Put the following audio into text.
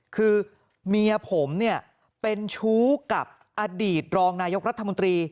คือเมียผมเนี่ยเป็นชู้กับอดีตรองนายกรัฐมนตรี